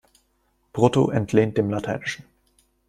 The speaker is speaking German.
Brutto entlehnt dem Lateinischen.